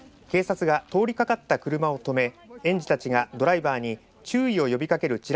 警察が通りかかった車を止め園児たちがドライバーに注意を呼びかける